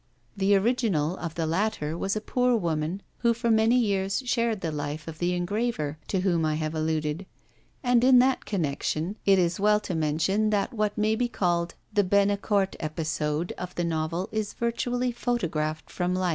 The original of the latter was a poor woman who for many years shared the life of the engraver to whom I have alluded; and, in that connection, it as well to mention that what may be called the Bennecourt episode of the novel is virtually photographed from life.